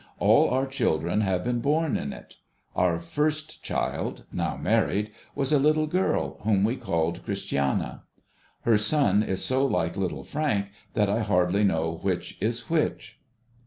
All our children have been borne in it. Our first child — now married — was a little girl, whom we called Christiana. Her son is so like Little Frank, that I hardly know which is which.